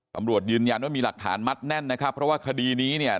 ตำรวจยืนยันว่ามีหลักฐานมัดแน่นนะครับเพราะว่าคดีนี้เนี่ย